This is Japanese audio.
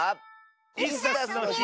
「イスダスのひ」